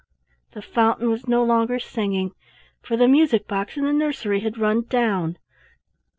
the fountain was no longer singing, for the music box in the nursery had run down.